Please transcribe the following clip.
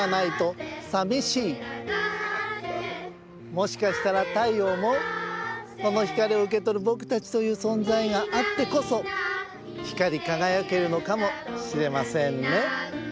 もしかしたら太陽もその光を受けとるぼくたちというそんざいがあってこそ光りかがやけるのかもしれませんね。